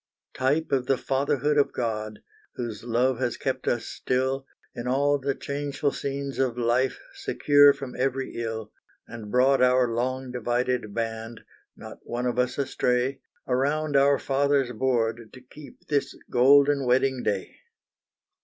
Type of the Fatherhood of God, Whose love has kept us still, In all the changeful scenes of life Secure from every ill, And brought our long divided band, Not one of us astray, Around our Father's board to keep This Golden Wedding Day.